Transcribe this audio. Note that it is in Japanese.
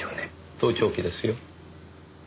盗聴器ですよ。